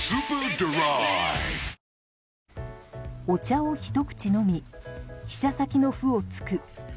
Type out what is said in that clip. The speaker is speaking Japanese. お茶をひと口飲み飛車先の歩を突く。